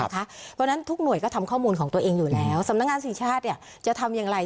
เพราะฉะนั้นทุกหน่วยก็ทำข้อมูลของตัวเองอยู่แล้วสำนักงานสี่ชาติจะทำอย่างไร